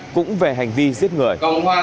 cũng về hành vi giết người